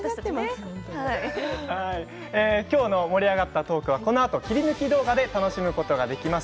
盛り上がったトークはこのあと切り抜き動画で楽しむことができます。